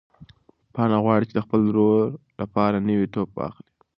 پاڼه غواړي چې د خپل ورور لپاره نوی توپ واخلي.